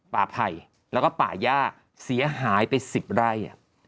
ไผ่แล้วก็ป่าย่าเสียหายไป๑๐ไร่